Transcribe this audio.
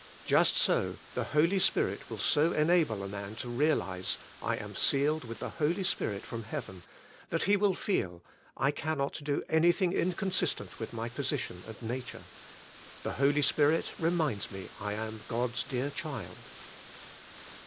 Just so the Holy Spirit will so enable a man to realize, I am sealed with the Holy Spirit from heaven, that He will feel, I cannot do anything inconsistent with my position and nature. The Holy Spirit reminds me I am God's dear child.